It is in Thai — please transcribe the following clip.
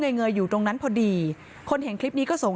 แล้วเดี๋ยวเล่าความคลิปกันก่อน